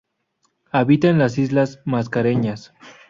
Habita en las Islas Mascareñas.